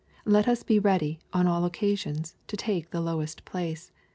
Let us be ready, on all occasions, to take the lowest place.